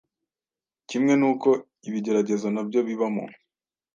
kimwe n’uko ibigeragezo nabyo bibamo